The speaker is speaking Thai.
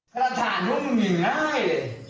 หลักฐานพวกมันอยู่นี่ไง